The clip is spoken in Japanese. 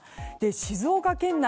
静岡県内